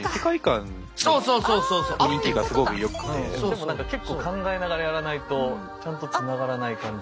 でも何か結構考えながらやらないとちゃんとつながらない感じ。